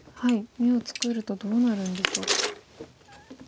眼を作るとどうなるんでしょうか。